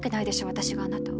私があなたを。